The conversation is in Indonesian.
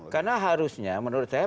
karena harusnya menurut saya